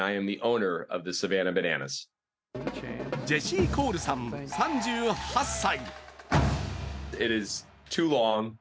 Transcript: ジェシー・コールさん、３８歳。